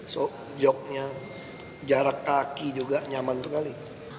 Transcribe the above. so joknya jarak kaki juga nyaman sekali